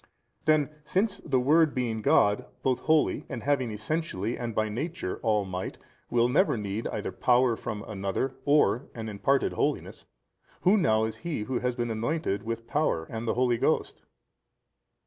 A. Then, since the Word being God, both Holy and having Essentially and by Nature All Might, will never need either power from another or an imparted holiness: who now is He Who has been anointed with power and the Holy Ghost?